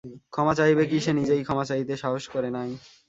ক্ষমা চাহিবে কী, সে নিজেই ক্ষমা চাহিতে সাহস করে নাই।